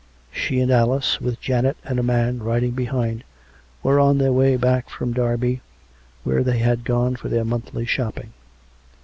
She and Alice, with Janet and a man riding behind, were on their way back from Derby, where they had gone for their monthly shopping.